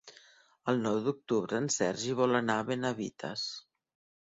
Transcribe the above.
El nou d'octubre en Sergi vol anar a Benavites.